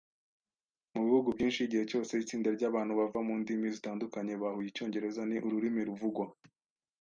Mu bihugu byinshi, igihe cyose itsinda ryabantu bava mu ndimi zitandukanye bahuye, icyongereza ni ururimi ruvugwa.